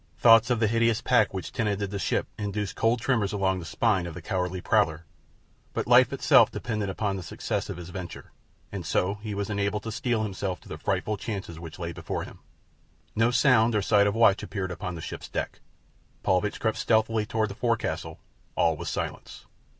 Thoughts of the hideous pack which tenanted the ship induced cold tremors along the spine of the cowardly prowler; but life itself depended upon the success of his venture, and so he was enabled to steel himself to the frightful chances which lay before him. No sound or sign of watch appeared upon the ship's deck. Paulvitch crept stealthily toward the forecastle. All was silence.